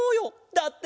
だって。